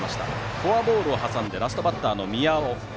フォアボールを挟んでラストバッターの宮尾。